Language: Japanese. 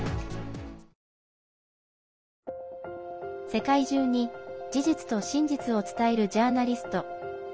世界中に事実と真実を伝えるジャーナリスト。